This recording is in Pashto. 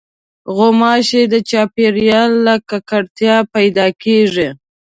غوماشې د چاپېریال له ککړتیا پیدا کېږي.